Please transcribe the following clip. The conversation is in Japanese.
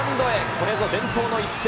これぞ伝統の一戦。